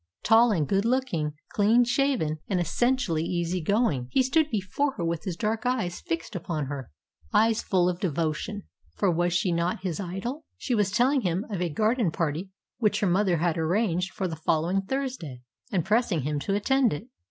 Tall and good looking, clean shaven, and essentially easy going, he stood before her with his dark eyes fixed upon her eyes full of devotion, for was she not his idol? She was telling him of a garden party which her mother had arranged for the following Thursday, and pressing him to attend it.